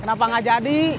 kenapa gak jadi